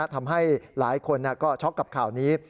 ทำให้หลายคนก็ช็อกกับข่าวนี้